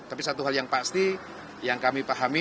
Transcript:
tapi satu hal yang pasti yang kami pahami